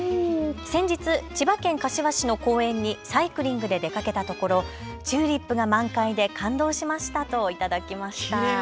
先日、千葉県柏市の公園にサイクリングで出かけたところチューリップが満開で感動しましたと頂きました。